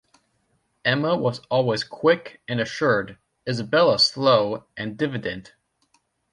Emma was always quick and assured; Isabella slow and diffident.